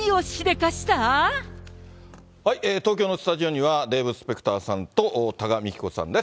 東京のスタジオには、デーブ・スペクターさんと多賀幹子さんです。